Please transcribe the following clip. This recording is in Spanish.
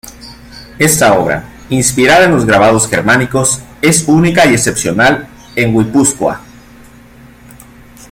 Esta obra, inspirada en los grabados germánicos, es única y excepcional en Guipúzcoa.